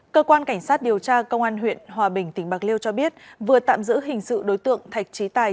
cơ quan cảnh sát điều tra công an huyện hòa bình tỉnh bạc liêu cho biết vừa tạm giữ hình sự đối tượng thạch trí tài